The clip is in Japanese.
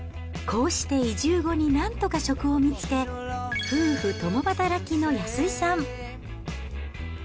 こうして移住後になんとか職を見つけ、夫婦共働きの安井さん。